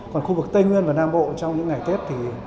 còn khu vực tây nguyên và nam bộ trong những ngày tết thì